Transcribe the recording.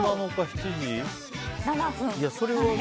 ７分。